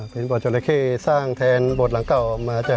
เป็นโบดจอระเข้สร้างแทนโบดหลังเก่ามาจ้ะ